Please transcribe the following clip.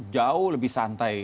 jauh lebih santai